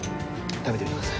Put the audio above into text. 食べてください。